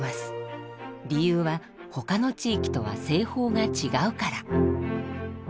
理由は他の地域とは製法が違うから。